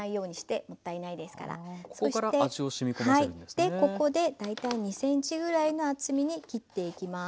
でここで大体２ｃｍぐらいの厚みに切っていきます。